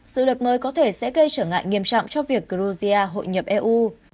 sự luật mới có thể sẽ gây trở ngại nghiêm trọng cho việc georgia hội nhập eu